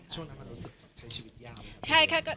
ช่วงนั้นมันรู้สึกใช้ชีวิตยากไหม